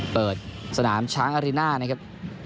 เปิดสนามช้างอาริน่านะครับ